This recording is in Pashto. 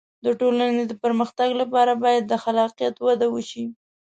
د ټولنې د پرمختګ لپاره باید د خلاقیت وده وشي.